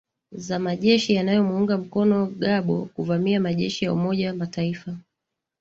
za majeshi yanayo muunga mkono gbagbo kuvamia majeshi ya umoja mataifa